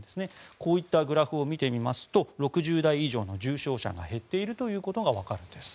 こういったグラフを見てみますと６０代以上の重症者が減っているということがわかるんです。